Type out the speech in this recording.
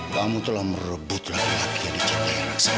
kamu telah merebutlah hati anak saya